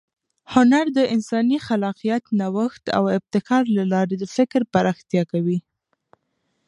هنر د انساني خلاقیت، نوښت او ابتکار له لارې د فکر پراختیا کوي.